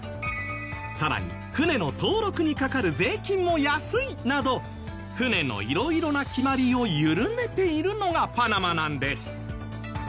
さらに船の登録にかかる税金も安いなど船の色々な決まりを緩めているのがパナマなんです。